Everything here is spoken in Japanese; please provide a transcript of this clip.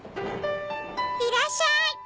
いらっしゃい！